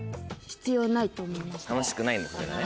楽しくないんだこれがね。